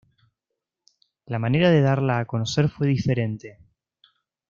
La manera de darla a conocer fue diferente.